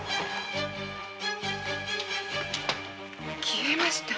消えました。